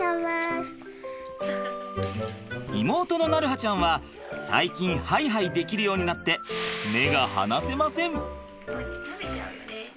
妹の鳴映ちゃんは最近ハイハイできるようになって目が離せません。